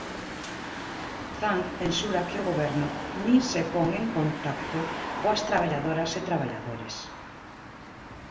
Zan censura que o Goberno "nin se pon en contacto" coas traballadoras e traballadores.